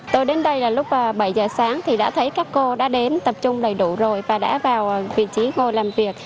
tôi đến đây là lúc bảy giờ sáng thì đã thấy các cô đã đến tập trung đầy đủ rồi và đã vào vị trí ngồi làm việc